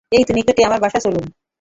এই তো নিকটেই আমার বাসা-চলুন না?